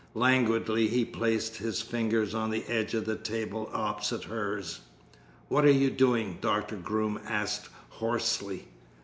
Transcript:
Languidly he placed his fingers on the edge of the table opposite hers. "What are you doing?" Dr. Groom asked hoarsely.